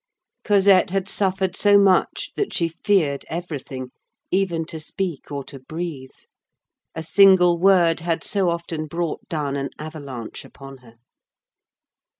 Cosette had suffered so much, that she feared everything, even to speak or to breathe. A single word had so often brought down an avalanche upon her.